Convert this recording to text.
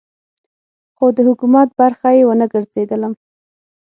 خو د حکومت برخه یې ونه ګرځېدلم.